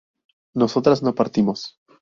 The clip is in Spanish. nosotras no partimos